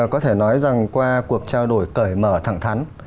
có thể nói rằng qua cuộc trao đổi cởi mở thẳng thắn